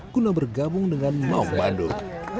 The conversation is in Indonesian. guna bergabung dengan mau bandung